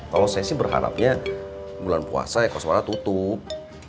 kalau saya sih berharapnya bulan puasa ya koswara tutup